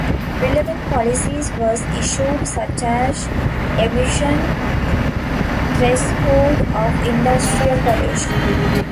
Relevant policies was issued such as emission threshold of industrial pollution.